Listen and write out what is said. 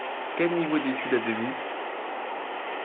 Quel niveau d’étude avez-vous ?